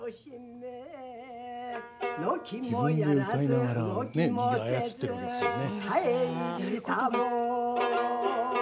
自分で歌いながら人形を操っているんですよね。